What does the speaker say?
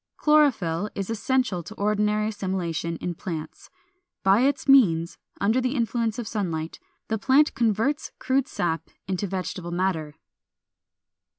Chlorophyll is essential to ordinary assimilation in plants: by its means, under the influence of sunlight, the plant converts crude sap into vegetable matter.